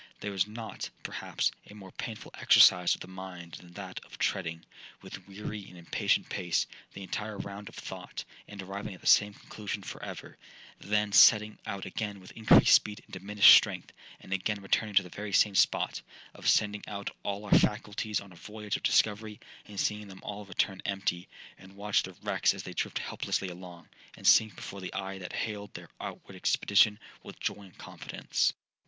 'There is not, perhaps, a more painful exercise of the mind than that of treading, with weary and impatient pace, the entire round of thought, and arriving at the same conclusion for ever; then setting out again with increased speed and diminished strength, and again returning to the very same spot—of sending out all our faculties on a voyage of discovery, and seeing them all return empty, and watch the wrecks as they drift helplessly along, and sink before the eye that hailed their outward expedition with joy and confidence.